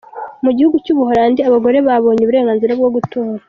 Mu gihugu cy’ubuholandi, abagore babonye uburenganzira bwo gutora.